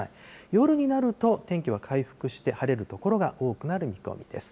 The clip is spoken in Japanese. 夜になると、天気は回復して、晴れる所が多くなる見込みです。